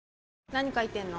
何書いてんの？